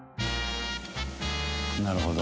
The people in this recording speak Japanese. なるほど。